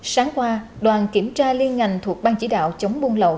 sáng qua đoàn kiểm tra liên ngành thuộc ban chỉ đạo chống buôn lậu